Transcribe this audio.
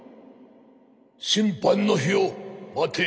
審判の日を待て。